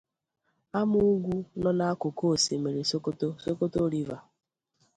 Ama ugwu no na akuku Osimiri Sokoto ("Sokoto river").